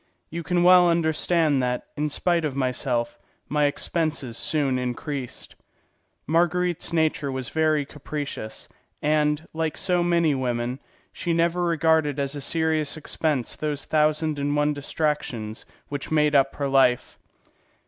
You can well understand that, in spite of myself, my expenses soon increased. Marguerite's nature was very capricious, and, like so many women, she never regarded as a serious expense those thousand and one distractions which made up her life.